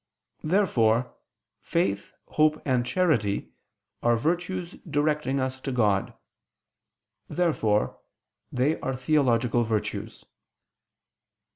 Therefore faith, hope, and charity are virtues directing us to God. Therefore they are theological virtues.